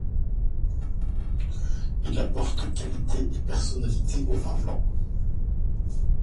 Il apporte qualité et personnalité aux vins blancs.